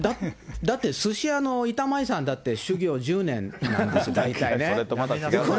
だって、すし屋の板前さんだって修業１０年なんです、大体ね。